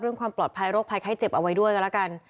เรื่องความปลอดภัยโรคภัยไข้เจ็บเอาไว้ด้วยกันแล้วกัน